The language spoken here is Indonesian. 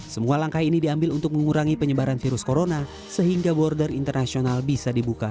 semua langkah ini diambil untuk mengurangi penyebaran virus corona sehingga border internasional bisa dibuka